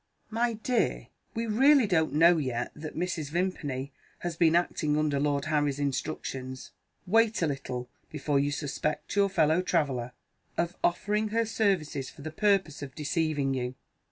"My dear, we really don't know yet that Mrs. Vimpany has been acting under Lord Harry's instructions. Wait a little before you suspect your fellow traveller of offering her services for the purpose of deceiving you."